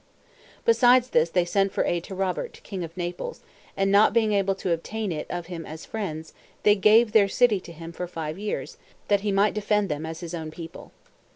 Besides this they sent for aid to Robert, king of Naples, and not being able to obtain it of him as friends, they gave their city to him for five years, that he might defend them as his own people.